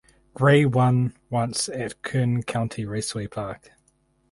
Gray won once at Kern County Raceway Park.